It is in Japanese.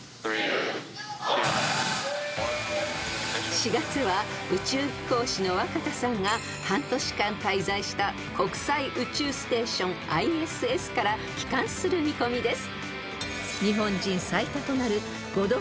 ［４月は宇宙飛行士の若田さんが半年間滞在した国際宇宙ステーションＩＳＳから帰還する見込みです］